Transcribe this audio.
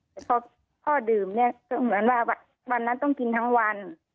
แต่พอพ่อดื่มเนี่ยก็เหมือนว่าวันนั้นต้องกินทั้งวัน